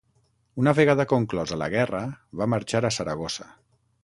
Una vegada conclosa la guerra, va marxar a Saragossa.